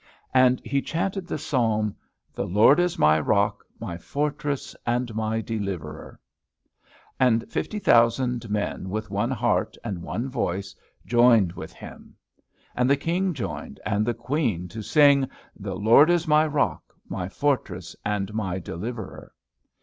And he chanted the psalm, "The Lord is my rock, my fortress, and my deliverer." And fifty thousand men, with one heart and one voice, joined with him. And the King joined, and the Queen to sing, "The Lord is my rock, my fortress, and my deliverer."